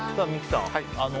三木さん